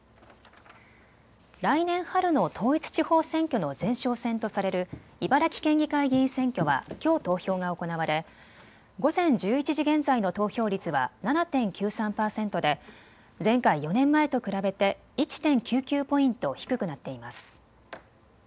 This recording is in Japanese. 来年春の統一地方選挙の前哨戦とされる茨城県議会議員選挙はきょう投票が行われ午前１１時現在の投票率は７．９３％で前回４年前と比べて１．９９ポイント低くなっています。